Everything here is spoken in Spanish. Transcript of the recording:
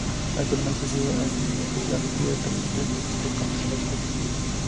Actualmente sigue en la locución y es participe de distintos comerciales de tv.